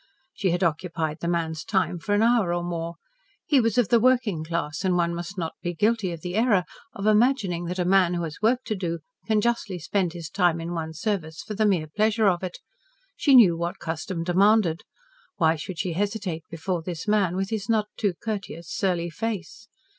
She had occupied the man's time for an hour or more, he was of the working class, and one must not be guilty of the error of imagining that a man who has work to do can justly spend his time in one's service for the mere pleasure of it. She knew what custom demanded. Why should she hesitate before this man, with his not too courteous, surly face.